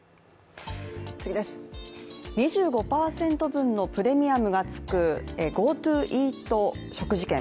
２５％分のプレミアムがつくＧｏＴｏイート食事券。